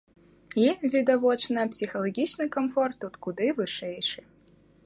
І, відавочна, псіхалагічны камфорт тут куды вышэйшы.